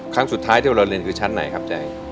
ครั้งสุดท้ายที่เราเรียนคือชั้นไหนครับใจ